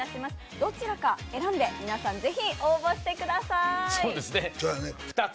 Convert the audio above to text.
どちらか選んで皆さんぜひ応募してくださいそうですねそやね